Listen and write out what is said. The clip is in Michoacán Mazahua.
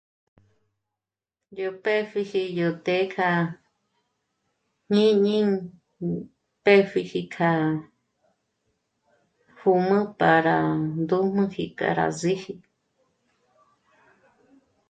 Yó pë́pjiji yó të́'ë k'a jñíni pë́pjiji k'a hûm'ü para ndùjmüji k'a rá síji